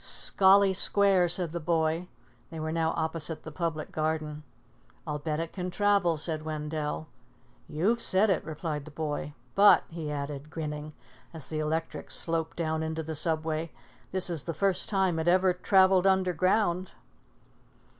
"Scollay Square," said the boy. They were now opposite the Public Garden. "I'll bet it can travel," said Wendell. "You've said it," replied the boy. "But," he added, grinning, as the electric sloped down into the Subway, "this is the first time it ever traveled underground."